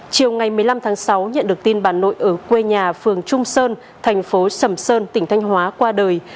chiều ngày một mươi năm tháng sáu nhận được tin bà nội ở quê nhà phường trung sơn thành phố sầm sơn tỉnh thanh hóa qua đời